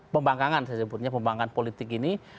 pembangkangan saya sebutnya pembangkangan politik ini